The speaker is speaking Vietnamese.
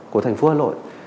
của thành phố hà nội